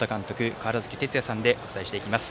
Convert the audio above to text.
川原崎哲也さんでお伝えしていきます。